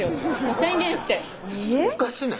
宣言してえぇっおかしない？